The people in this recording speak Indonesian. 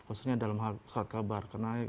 khususnya dalam surat kabar